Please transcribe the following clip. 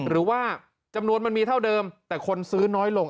หรือว่าจำนวนมันมีเท่าเดิมแต่คนซื้อน้อยลง